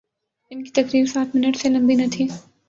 ان کی تقریر سات منٹ سے لمبی نہ تھی۔